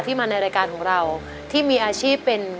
มาในรายการของเราที่มีอาชีพเป็น